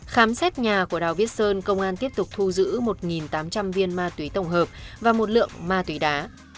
khám xét nhà của đào viết sơn công an tiếp tục thu giữ một tám trăm linh viên ma túy tổng hợp và một lượng ma túy đá